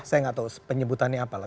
saya gak tau penyebutannya apalah